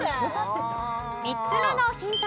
３つ目のヒント。